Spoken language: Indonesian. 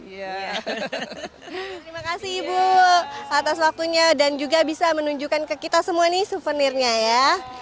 terima kasih ibu atas waktunya dan juga bisa menunjukkan ke kita semua nih souvenirnya ya